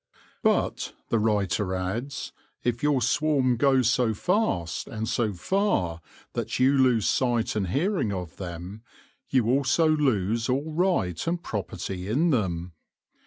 But, the writer adds, if your swarm goes so fast and so far that you lose sight and hearing of them, you also lose all right and property in them.